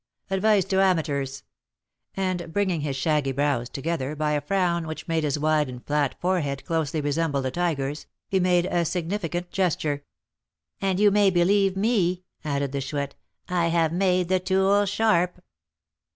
"Advice to amateurs!" And bringing his shaggy brows together, by a frown which made his wide and flat forehead closely resemble a tiger's, he made a significant gesture. "And you may believe me," added the Chouette, "I have made the tool sharp."